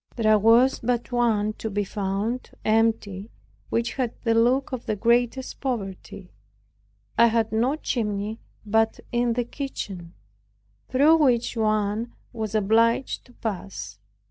There was but one to be found empty which had the look of the greatest poverty. It had no chimney but in the kitchen, through which one was obliged to pass.